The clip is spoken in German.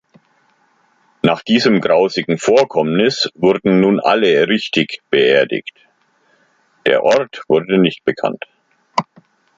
Nach diesem grausigen Vorkommnis wurden nun alle „richtig“ beerdigt, der Ort wurde nicht bekannt.